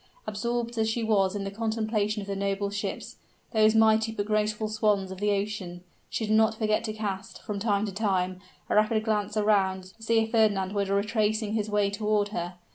Absorbed as she was in the contemplation of the noble ships those mighty but graceful swans of the ocean she did not forget to cast, from time to time, a rapid glance around, to see if Fernand were retracing his way toward her.